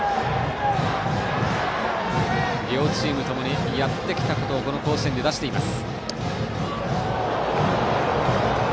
両チームともにやってきたことをこの甲子園で出しています。